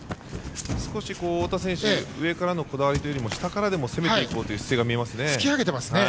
少し太田選手上からのこだわりというよりも下からでも攻めていこうという姿勢が見えますね。